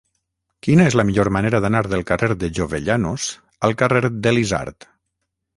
Quina és la millor manera d'anar del carrer de Jovellanos al carrer de l'Isard?